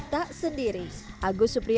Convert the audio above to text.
pak tellur ego tangan straw antic